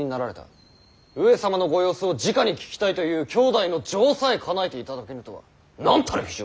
上様のご様子をじかに聞きたいという兄弟の情さえかなえていただけぬとはなんたる非情。